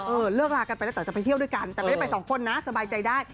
เลิกลากันไปแล้วแต่จะไปเที่ยวด้วยกันแต่ไม่ได้ไปสองคนนะสบายใจได้